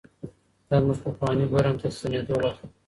دا زموږ پخواني برم ته د ستنېدو وخت دی.